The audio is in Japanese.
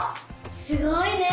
すごいね！